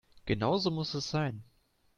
Genau so muss es sein.